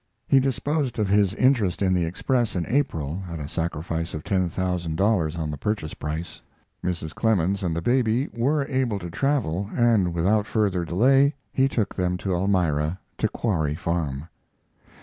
He disposed of his interest in the Express in April, at a sacrifice of $10,000 on the purchase price. Mrs. Clemens and the baby were able to travel, and without further delay he took them to Elmira, to Quarry Farm.